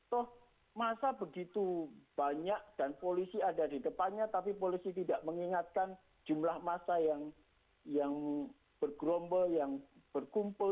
toh masa begitu banyak dan polisi ada di depannya tapi polisi tidak mengingatkan jumlah masa yang bergerombol yang berkumpul